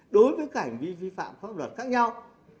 đối với cảnh vi vi phạm pháp luật khác nhau